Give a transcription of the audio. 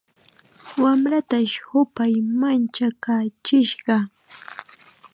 Wamratash hupay manchakaachishqa.